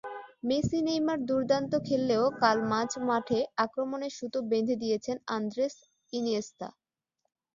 Messi Neymar দুর্দান্ত খেললেও কাল মাঝমাঠে আক্রমণের সুতো বেঁধে দিয়েছেন আন্দ্রেস ইনিয়েস্তা।